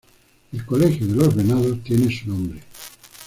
El colegio de Los Venados tiene su nombre.